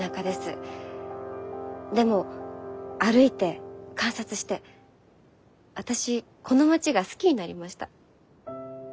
でも歩いて観察して私この町が好きになりました。